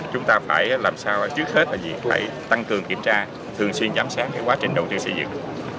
chúng ta phải làm sao trước hết là việc phải tăng cường kiểm tra thường xuyên giám sát quá trình đầu tư xây dựng